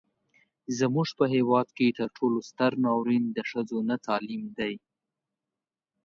زموږ په هیواد کې تر ټولو ستر ناورين د ښځو نه تعليم دی.